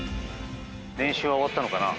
練習終わったのかな。